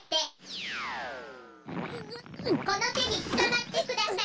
このてにつかまってください。